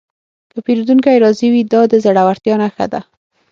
که پیرودونکی راضي وي، دا د زړورتیا نښه ده.